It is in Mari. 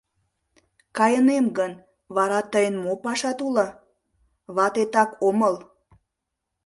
— Кайынем гын, вара тыйын мо пашат уло, ватетак омыл...